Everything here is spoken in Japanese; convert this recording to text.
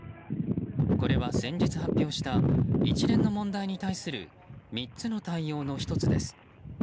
これは、先日発表した一連の問題に対する３つの対応の１つです。